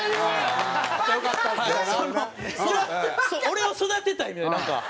俺を育てたいのよなんか。